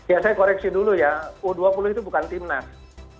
ya saya koreksi dulu ya u dua puluh itu bukan timnas